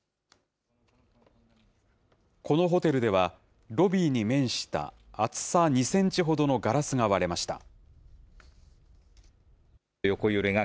このホテルでは、ロビーに面した厚さ２センチほどのガラスが割れました。